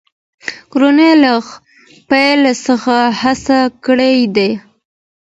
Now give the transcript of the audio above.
کورنۍ له پیل څخه هڅه کړې ده.